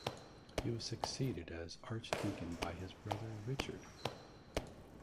He was succeeded as Archdeacon by his brother Richard.